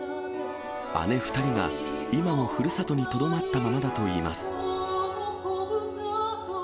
姉２人が今もふるさとにとどまったままだといいます。